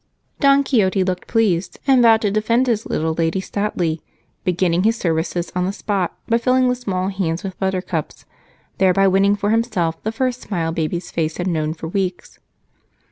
Don Quixote looked pleased and vowed to defend his little lady stoutly, beginning his services on the spot by filling the small hands with buttercups, thereby winning for himself the first smile baby's face had known for weeks.